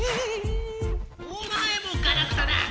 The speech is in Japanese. おまえもガラクタだあ！